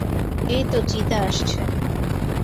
এইতো চিতা আসছে।